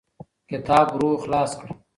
کتاب ورو خلاص کړه.